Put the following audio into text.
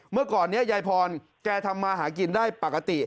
เมื่อก่อนนี้ยายพรแกทำมาหากินได้ปกติ